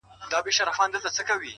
تا ويل له سره ماله تېره يم خو ـ